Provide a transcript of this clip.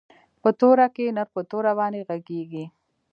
په توره کښې نر په توره باندې ږغېږي.